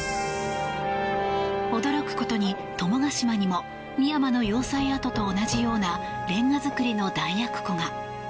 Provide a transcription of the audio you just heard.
驚くことに、友ヶ島にも深山の要塞跡と同じようなレンガ造りの弾薬庫が。